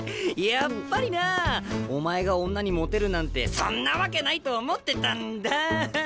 やっぱりなお前が女にモテるなんてそんなわけないと思ってたんだ。